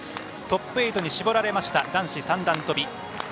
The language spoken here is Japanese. トップ８に絞られました男子三段跳び。